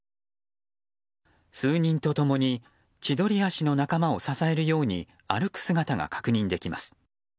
数人と共に千鳥足の仲間を支えるように歩く姿が確認できます。